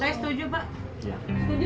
saya setuju pak